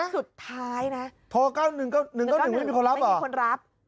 สุดท้ายนะโทร๑๙๑ไม่มีคนรับเหรอ